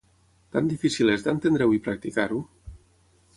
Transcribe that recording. Tan difícil és d'entendre-ho i practicar-ho ?